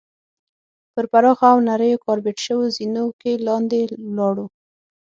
په پراخو او نریو کارپیټ شوو زینو کې لاندې ولاړو.